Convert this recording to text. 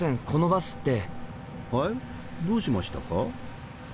はいどうしましたか？